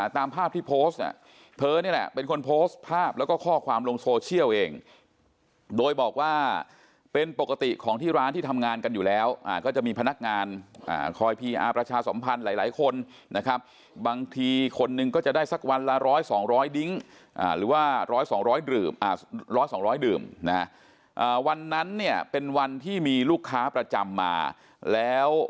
ตามภาพที่โพสต์เธอนี่แหละเป็นคนโพสต์ภาพแล้วก็ข้อความลงโซเชียลเองโดยบอกว่าเป็นปกติของที่ร้านที่ทำงานกันอยู่แล้วก็จะมีพนักงานคอยพีอาร์ประชาสมพันธ์หลายคนนะครับบางทีคนหนึ่งก็จะได้สักวันละ๑๐๐๒๐๐ดิ้งหรือว่าร้อยสองร้อยสองร้อยดื่มนะวันนั้นเนี่ยเป็นวันที่มีลูกค้าประจำมาแล้ว